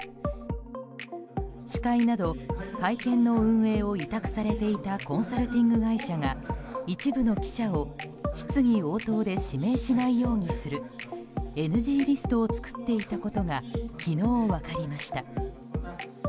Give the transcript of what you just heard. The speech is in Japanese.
司会など会見の運営を委託されていたコンサルティング会社が一部の記者を質疑応答で指名しないようにするＮＧリストを作っていたことが昨日、分かりました。